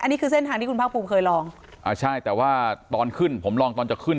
นี่คือเส้นทางที่คุณภาคภูมิเคยลองอ่าใช่แต่ว่าตอนขึ้นผมลองตอนจะขึ้น